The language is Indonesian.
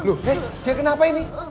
eh dia kenapa ini